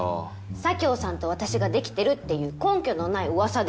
佐京さんと私がデキてるっていう根拠のないうわさです